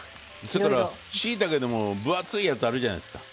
それからしいたけでも分厚いやつあるじゃないですか。